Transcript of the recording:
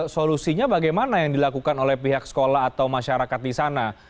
solusinya bagaimana yang dilakukan oleh pihak sekolah atau masyarakat di sana